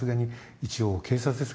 一応警察ですから。